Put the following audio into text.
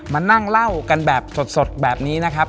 มานั่งเล่ากันแบบสดแบบนี้นะครับ